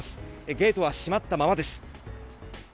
ゲートは閉まったままです。